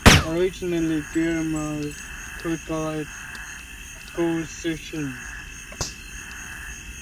Originally, Grimald quelled the accusations.